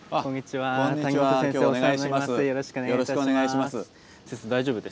はい。